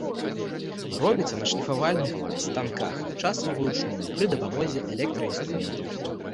Робіцца на шліфавальных станках, часам уручную пры дапамозе электраінструментаў.